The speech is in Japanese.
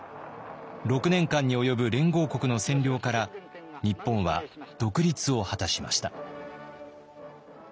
６年間に及ぶ連合国の占領から日本は独立を果たしました。